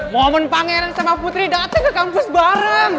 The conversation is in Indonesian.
momen pangeran sama putri datang ke kampus bareng